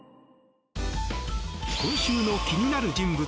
今週の気になる人物